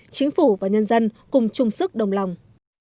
chính phủ và nhân dân cùng chung sức đồng lòng